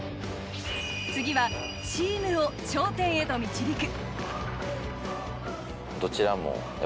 次はチームを頂点へと導く。